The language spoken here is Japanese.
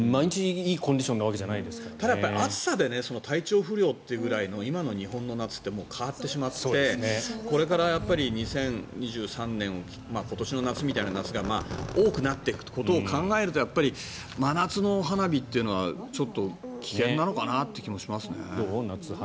いいコンディションなわけじゃただ、暑さで体調不良というくらいの今の日本の夏って変わってしまってこれから２０２３年今年の夏みたいな夏が多くなっていくことを考えると真夏の花火というのはちょっと危険なのかなという気もしますね。